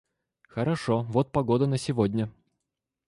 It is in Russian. Хорошо, вот погода на сегодня